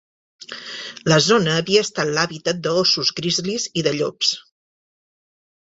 La zona havia estat l'hàbitat d'óssos grizzlies i de llops.